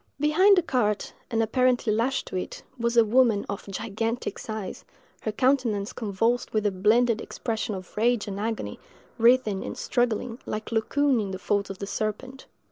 Behind the cart, and apparently lashed to it, was a woman of gigantic size, her countenance convulsed with a blended expression of rage and agony, writhing and struggling, like Laocoon in the folds of the serpent.